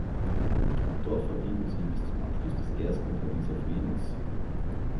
Dort verblieben sie bis zum Abschluss des Ersten Pariser Friedens.